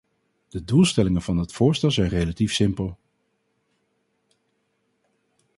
De doelstellingen van het voorstel zijn relatief simpel.